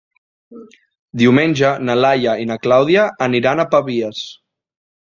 Diumenge na Laia i na Clàudia aniran a Pavies.